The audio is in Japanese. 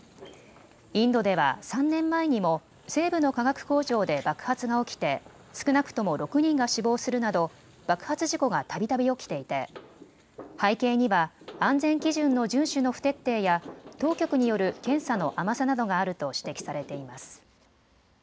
インドでは３年前にも西部の化学工場で爆発が起きて少なくとも６人が死亡するなど爆発事故がたびたび起きていて背景には安全基準の順守の不徹底や当局による検査の甘さなどがあると指摘されています。